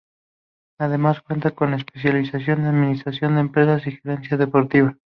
Además, cuenta con especialización en Administración de Empresas y Gerencia Deportiva.